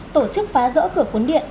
tổ chức phá rỡ cửa cuốn điện